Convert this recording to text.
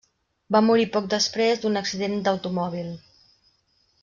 Va morir poc després d'un accident d'automòbil.